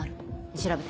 調べて。